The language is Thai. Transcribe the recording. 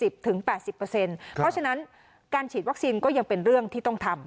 เพราะฉะนั้นการฉีดวัคซีนก็ยังเป็นเรื่องที่ต้องทำ